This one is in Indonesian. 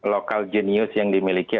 lokal genius yang dimiliki